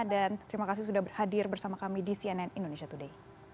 dan terima kasih sudah hadir bersama kami di cnn indonesia today